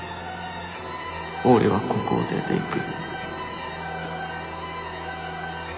俺はここを出ていく。